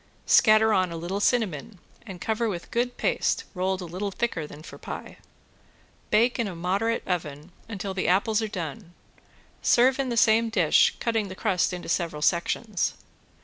Scatter on a little cinnamon and cover with good paste rolled a little thicker than for pie. Bake in a moderate oven until the apples are done, serve in the same dish, cutting the crust into several sections.